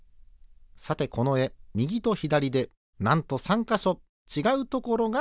さてこのえみぎとひだりでなんと３かしょちがうところがございます。